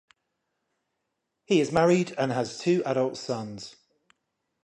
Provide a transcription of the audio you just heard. He is married and has two adult sons.